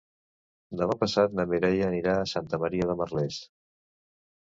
Demà passat na Mireia anirà a Santa Maria de Merlès.